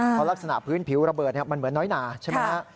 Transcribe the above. เพราะลักษณะพื้นผิวระเบิดมันเหมือนน้อยหนาใช่ไหมฮะ